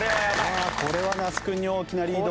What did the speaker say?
さあこれは那須君に大きなリード。